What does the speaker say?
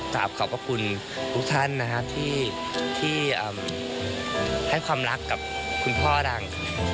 กราบขอบพระคุณทุกท่านนะครับที่ให้ความรักกับคุณพ่อดัง